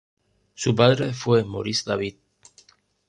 Su padre fue Maurice David.